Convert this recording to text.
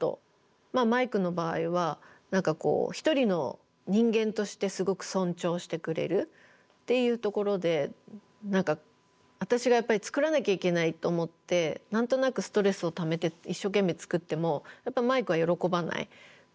まあマイクの場合は一人の人間としてすごく尊重してくれるっていうところで何か私がやっぱり作らなきゃいけないと思って何となくストレスをためて一生懸命作ってもマイクは喜ばない。